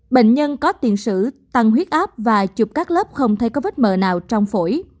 bệnh nhân có tiền sử tăng huyết áp và chụp các lớp không thấy có vết mờ nào trong phổi